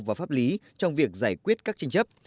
và pháp lý trong việc giải quyết các tranh chấp